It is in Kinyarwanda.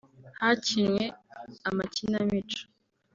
hakinwe amakinamico